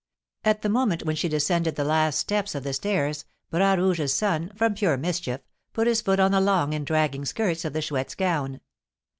At the moment when she descended the last steps of the stairs, Bras Rouge's son, from pure mischief, put his foot on the long and dragging skirts of the Chouette's gown.